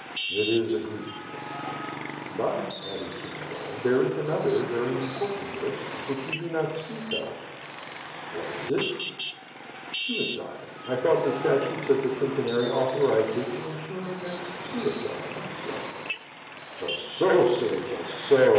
"It is agreed." "But," added Kin Fo, "there is another very important risk, which you do not speak of." " What is it t " "Suicide. I thought the statutes of the Cen tenary authorized it to insure against suicide also." THE OFFICES OF THE ''CENTENARY,'' (i^ "Just SO, Sir! just so!"